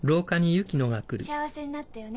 ・幸せになってよね。